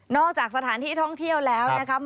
จากสถานที่ท่องเที่ยวแล้วนะครับ